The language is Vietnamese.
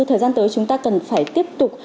thời gian tới chúng ta cần phải tiếp tục